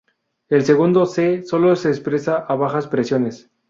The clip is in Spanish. El segundo, "C," solo se expresa a bajas presiones.